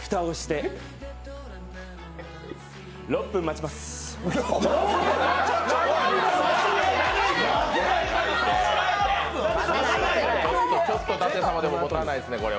ちょっと舘様でももたないですね、これは。